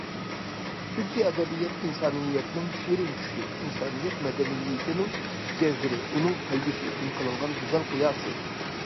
چۈنكى ئەدەبىيات ئىنسانىيەتنىڭ شېرىن چۈشى، ئىنسانىيەت مەدەنىيىتىنىڭ جەۋھىرى، ئۇنىڭ كەلگۈسى ئۈچۈن قىلىنغان گۈزەل قىياسى.